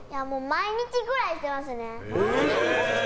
毎日ぐらいしてますね。